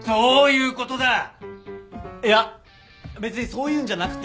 いや別にそういうんじゃなくて。